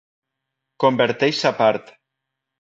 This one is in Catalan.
Converteix a part